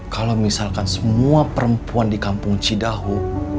kalau misalkan semua perempuan di kampung cidahu